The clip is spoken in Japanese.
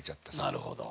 なるほど。